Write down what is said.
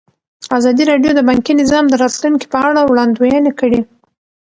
ازادي راډیو د بانکي نظام د راتلونکې په اړه وړاندوینې کړې.